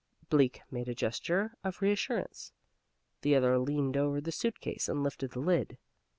Bleak made a gesture of reassurance. The other leaned over the suit case and lifted the lid.